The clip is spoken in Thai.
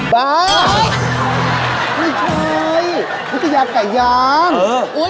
บ้างน่ะเชย